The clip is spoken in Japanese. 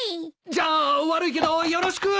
じゃあ悪いけどよろしく！